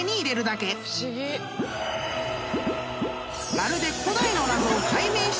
［まるで］